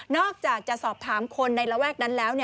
อกจากจะสอบถามคนในระแวกนั้นแล้ว